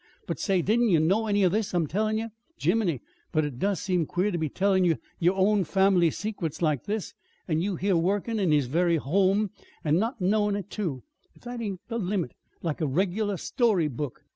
But, say, didn't you know any of this I'm tellin' ye? Jiminy! but it does seem queer ter be tellin' ye yer own family secrets like this an' you here workin' in his very home, an' not knowin' it, too. If that ain't the limit like a regular story book!